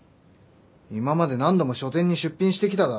今まで何度も書展に出品してきただろ？